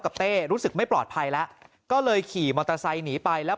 เต้รู้สึกไม่ปลอดภัยแล้วก็เลยขี่มอเตอร์ไซค์หนีไปแล้ว